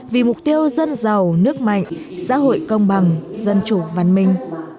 vì mục tiêu dân giàu nước mạnh xã hội công bằng dân chủ văn minh